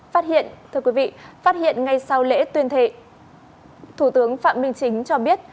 phát hiện ngay sau lễ tuyên thệ thủ tướng phạm minh chính cho biết